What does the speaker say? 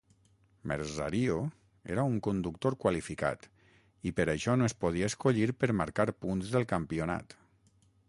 Merzario era un conductor qualificat i per això no es podia escollir per marcar punts dels campionat.